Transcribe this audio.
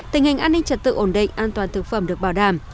tình hình an ninh trật tự ổn định an toàn thực phẩm được bảo đảm